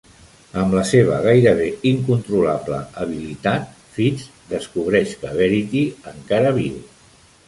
Amb la seva gairebé incontrolable habilitat, Fitz descobreix que Verity encara viu.